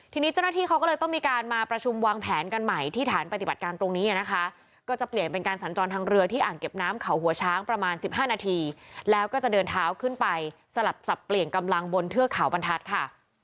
ทีนี้เจ้าหน้าที่เขาก็เลยต้องมีการมาประชุมวางแผนกันใหม่ที่ฐานปฏิบัติการตรงนี้นะคะก็จะเปลี่ยนเป็นการสัญจรทางเรือที่อ่างเก็บน้ำเขาหัวช้างประมาณ๑๕นาทีแล้วก็จะเดินเท้าขึ้นไปสลับสับเปลี่ยนกำลังบนเทือกเขาบรรทัศน์ค่ะ